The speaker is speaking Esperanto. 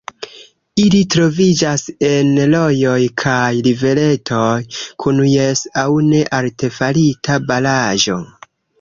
Ili troviĝas en rojoj kaj riveretoj kun jes aŭ ne artefarita baraĵo.